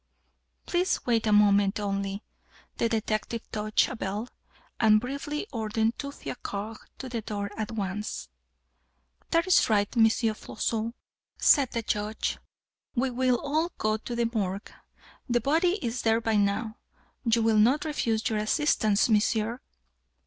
"Please wait one moment only;" the detective touched a bell, and briefly ordered two fiacres to the door at once. "That is right, M. Floçon," said the Judge. "We will all go to the Morgue. The body is there by now. You will not refuse your assistance, monsieur?"